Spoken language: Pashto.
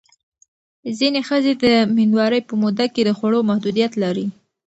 ځینې ښځې د مېندوارۍ په موده کې د خوړو محدودیت لري.